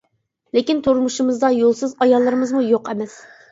لېكىن تۇرمۇشىمىزدا يولسىز ئاياللىرىمىزمۇ يوق ئەمەس.